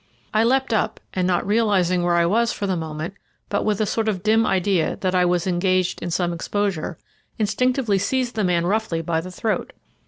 I leapt up, and, not realising where I was for the moment, but with a sort of dim idea that I was engaged in some exposure, instinctively seized the man roughly by the throat.